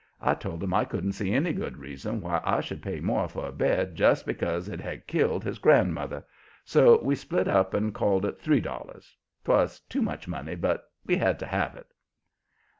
I told him I couldn't see any good reason why I should pay more for a bed just because it had killed his grandmother, so we split up and called it three dollars. 'Twas too much money, but we had to have it."